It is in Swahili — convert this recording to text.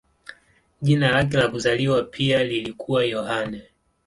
Jina lake la kuzaliwa pia lilikuwa Yohane.